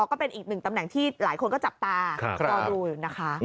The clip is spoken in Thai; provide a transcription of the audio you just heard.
ก็เป็นอีกหนึ่งตำแหน่งที่หลายคนก็จับตารอดูอยู่นะคะ